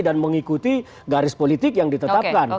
dan mengikuti garis politik yang ditetapkan